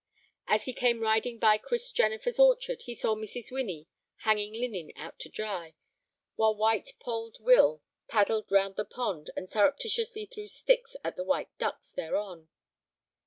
As he came riding by Chris Jennifer's orchard he saw Mrs. Winnie hanging linen out to dry, while white polled Will paddled round the pond, and surreptitiously threw sticks at the white ducks thereon.